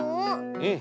うん。